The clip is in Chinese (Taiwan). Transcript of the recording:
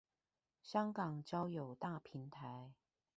香港交友大平台